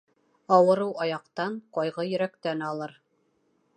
Ауырыу аяҡтан, ҡайғы йөрәктән алыр.